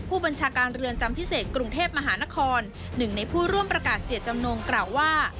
ผู้บัญชาการเรือนจำพิเศษกรุงเทพมหานครหนึ่งในผู้ร่วมประกาศเจตจำนงกล่าวว่า